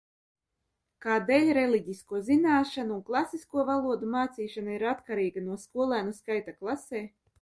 Kādēļ reliģisko zināšanu un klasisko valodu mācīšana ir atkarīga no skolēnu skaita klasē?